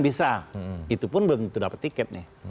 bisa itu pun belum dapet tiket nih